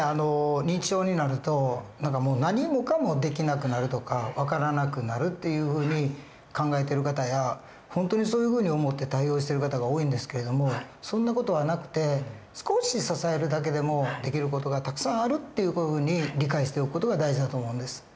認知症になるともう何もかもできなくなるとか分からなくなるっていうふうに考えてる方や本当にそういうふうに思って対応してる方が多いんですけれどもそんな事はなくて少し支えるだけでもできる事がたくさんあるっていうふうに理解しておく事が大事だと思うんです。